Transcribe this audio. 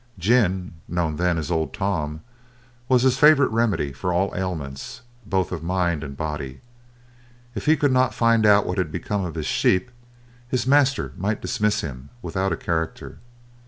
Gin, known then as "Old Tom," was his favourite remedy for all ailments, both of mind and body. If he could not find out what had become of his sheep, his master might dismiss him without a character.